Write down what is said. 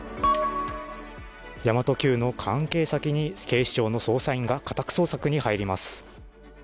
神真都Ｑの関係先に警視庁の捜査員が家宅捜索に入ります。